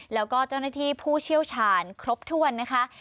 แล้วก็เจ้าหน้าที่ผู้เชี่ยวชาญครบถ้วนนะคะ